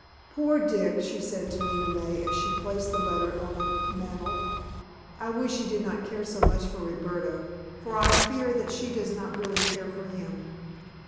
"Poor Dick," she said to Lena May as she placed the letter on a mantel, "I wish he did not care so much for Roberta, for I fear that she does not really care for him."